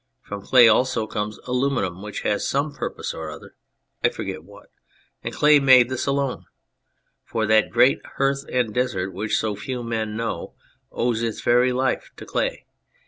From clay also comes aluminium, which has some purpose or other, I forget what ; and clay made the Sologne. For that great heath and desert, which_so few men know, owes its very life to clay.